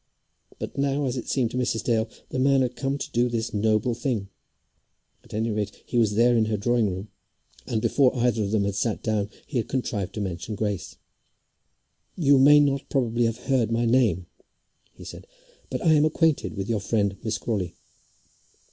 But now, as it seemed to Mrs. Dale, the man had come to do this noble thing. At any rate he was there in her drawing room, and before either of them had sat down he had contrived to mention Grace. "You may not probably have heard my name," he said, "but I am acquainted with your friend, Miss Crawley."